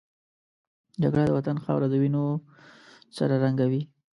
جګړه د وطن خاوره د وینو سره رنګوي